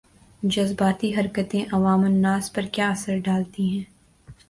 جذباتی حرکتیں عوام الناس پر کیا اثرڈالتی ہیں